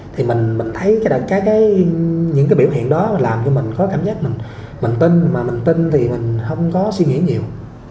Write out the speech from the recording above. thì mình thấy những cái biểu hiện đó mình làm cho mình có cảm giác mình tin mà mình tin thì mình không có suy nghĩ nhiều